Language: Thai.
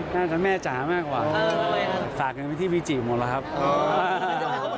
น่าจะแม่จ๋ามากกว่าฝากเงินไปที่วิจิหมดแล้วครับ